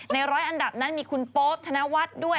ในร้อยอันดับนั้นมีคุณโป๊ปธนวัฒน์ด้วย